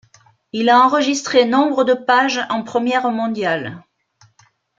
Il a enregistré nombre de pages en première mondiale.